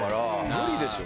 無理でしょ。